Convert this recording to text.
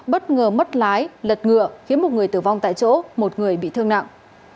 bất ngờ mất lái lật ngựa khiến một người tử vong tại chỗ một người bị thương nặng